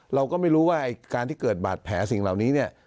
เราก็ไม่รู้ว่าไอ้การที่เกิดบาดแผลสิ่งเหล่านี้เนี่ย